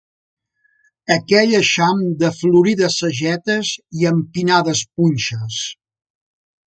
Aquell aixam de florides sagetes i empinades punxes